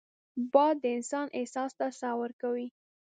باد د انسان احساس ته ساه ورکوي